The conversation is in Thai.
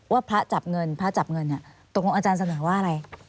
ว่าพระจับเงินพระจับเงินเนี่ยตกลงอาจารย์เสนอว่าอะไร